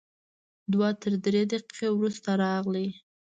دوه تر درې دقیقې وروسته راغی.